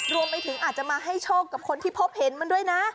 รวมไปถึงอาจจะมาให้โชคกับคนที่พบเห็นมันด้วยนะ